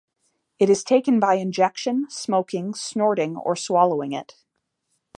It is taken by injection, smoking, snorting, or swallowing it.